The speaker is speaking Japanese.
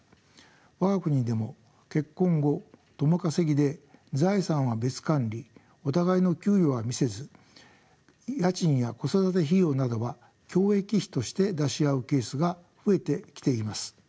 我が国でも結婚後共稼ぎで財産は別管理お互いの給与は見せず家賃や子育て費用などは共益費として出し合うケースが増えてきています。